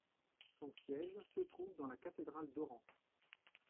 Son siège se trouve dans la Cathédrale d'Orán.